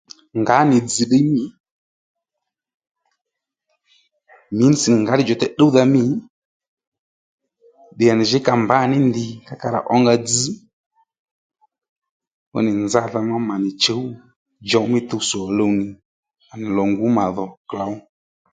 Ngǎ nì dzz̀ ddiy mî mins nì ngǎ ddiy djùtey tdúwdha mî ddiy nì jǐ ka mbǎwò ní ndì kónó ka rá ǒnga dzz fúnì nzadha má mà nì chǔw djow mí tuwtsò luw nì à nì màdho lò ngǔ klǒw